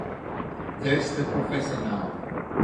There's the professor now.